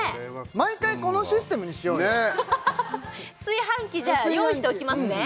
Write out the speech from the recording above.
毎回このシステムにしようよ炊飯器用意しておきますね